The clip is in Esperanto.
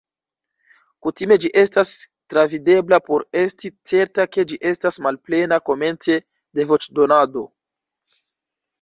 Kutime ĝi estas travidebla por esti certa ke ĝi estas malplena komence de voĉdonado.